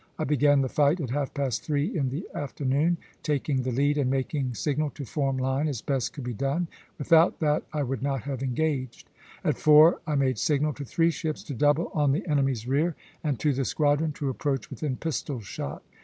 I began the fight at half past three in the afternoon, taking the lead and making signal to form line as best could be done; without that I would not have engaged. At four I made signal to three ships to double on the enemy's rear, and to the squadron to approach within pistol shot.